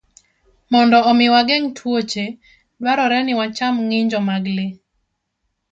Mondo omi wageng' tuoche, dwarore ni wacham ng'injo mag le.